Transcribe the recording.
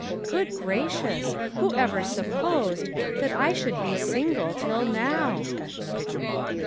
Good gracious! who ever supposed That I should be single till now?